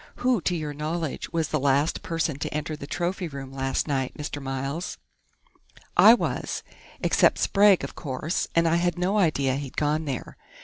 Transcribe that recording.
"Who, to your knowledge, was the last person to enter the trophy room last night, Mr. Miles?" "I was, except Sprague, of course, and I had no idea he'd gone there.